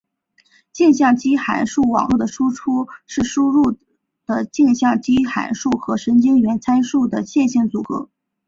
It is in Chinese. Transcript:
径向基函数网络的输出是输入的径向基函数和神经元参数的线性组合。